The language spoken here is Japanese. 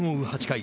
８回。